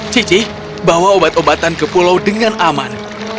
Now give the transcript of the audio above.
cici bawa obat obatan ke pulau dengan aman